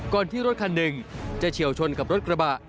ที่รถคันหนึ่งจะเฉียวชนกับรถกระบะ